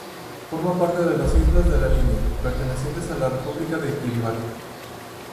Forma parte de las Islas de la Línea, pertenecientes a la República de Kiribati.